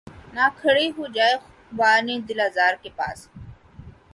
نہ کھڑے ہوجیے خُوبانِ دل آزار کے پاس